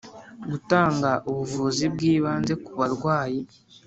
Gutanga ubuvuzi bw’ ibanze kubarwayi